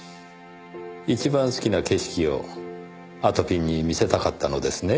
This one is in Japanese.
一番好きな景色をあとぴんに見せたかったのですね。